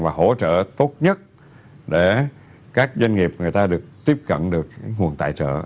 và hỗ trợ tốt nhất để các doanh nghiệp người ta được tiếp cận được nguồn tài trợ